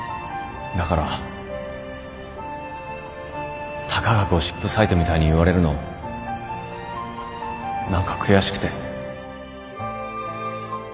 だからたかがゴシップサイトみたいに言われるの何か悔しくて